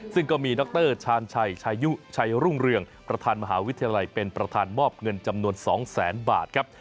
ซึ่งก็มีดรชาญชัยชายุชัยรุ่งเรืองประธานมหาวิทยาลัยเป็นประธานมอบเงินจำนวน๒แสนบาทครับ